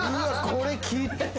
これきっつ。